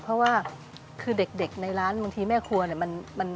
เพราะว่าคือเด็กในร้านบางทีแม่ครัวเนี่ย